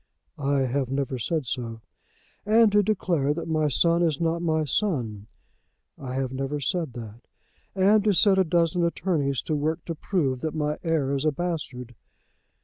"I have never said so." "And to declare that my son is not my son." "I have never said that." "And to set a dozen attorneys to work to prove that my heir is a bastard."